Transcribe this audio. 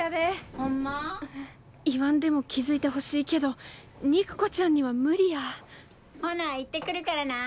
・ホンマ？言わんでも気付いてほしいけど肉子ちゃんには無理やほな行ってくるからな！